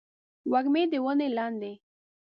وږمې د ونې لاندې